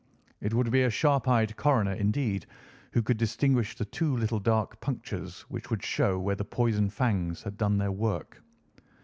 It would be a sharp eyed coroner, indeed, who could distinguish the two little dark punctures which would show where the poison fangs had done their work.